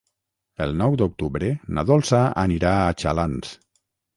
El nou d'octubre na Dolça anirà a Xalans.